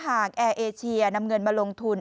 แอร์เอเชียนำเงินมาลงทุน